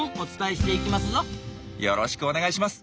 よろしくお願いします。